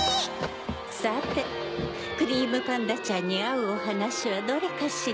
さてクリームパンダちゃんにあうおはなしはどれかしら？